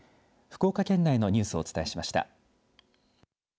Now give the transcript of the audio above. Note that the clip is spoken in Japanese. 福岡県内のニュースをお伝えしました。